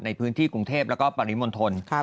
ในพื้นที่กรุงเทพแล้วก็ปริมณฑล